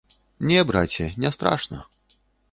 Не, браце, не страшна.